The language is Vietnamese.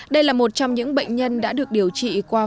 đây là một trong những bệnh nhân đã được điều trị qua phòng